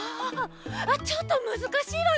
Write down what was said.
ちょっとむずかしいわね。